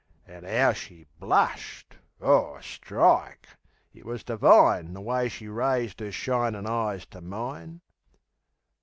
An' 'ow she blushed! O, strike! it was divine The way she raised 'er shinin' eyes to mine.